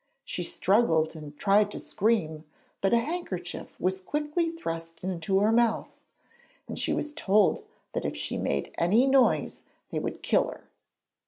She struggled and tried to scream, but a handkerchief was quickly thrust into her mouth, and she was told that if she made any noise they would kill her.